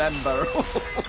ハハハッ。